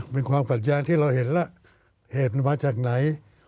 เป็นความขัดแย้งที่เราเห็นแล้วเหตุมันมาจากไหน